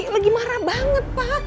lagi marah banget pa